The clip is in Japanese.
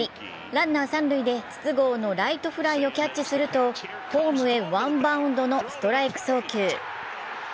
ランナー三塁で筒香のライトフライをキャッチするとホームへワンバウンドのストライク送球。